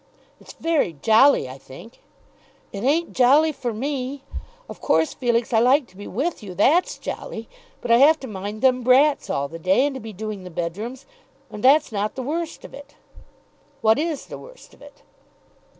"It's very jolly, I think." "It ain't jolly for me. Of course, Felix, I like to be with you. That's jolly. But I have to mind them brats all the day, and to be doing the bedrooms. And that's not the worst of it." "What is the worst of it?"